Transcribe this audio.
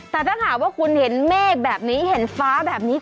แต่ถ้าหากว่าคุณเห็นเมฆแบบนี้เห็นฟ้าแบบนี้